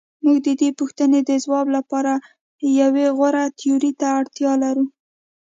موږ د دې پوښتنې د ځواب لپاره یوې غوره تیورۍ ته اړتیا لرو.